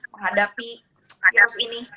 menghadapi virus ini